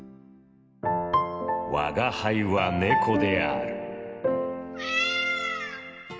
「吾輩は猫である。